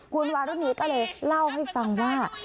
คุณวารุณีก็เลยเล่าให้ฟังว่า